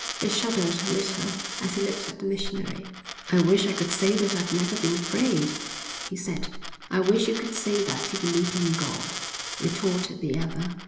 He shuddered' a little as he looked at the missionary. "I wish I could say that I've never been afraid," he said. "I wish you could say that you believed in God," retorted the other.